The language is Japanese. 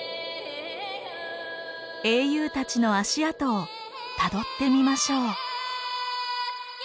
英雄たちの足跡をたどってみましょう。